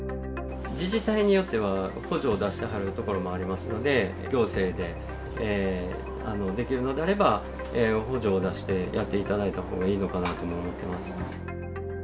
自治体によっては、補助を出してはる所もありますので、行政でできるのであれば、補助を出してやっていただいたほうがいいのかなとも思ってます。